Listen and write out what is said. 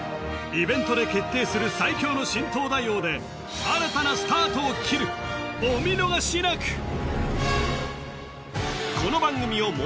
イベントで決定する最強の新東大王で新たなスタートを切るお見逃しなく！